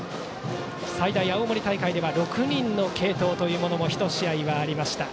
最大、青森大会では６人の継投というものが１試合でありました。